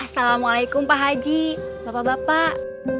assalamualaikum pak haji bapak bapak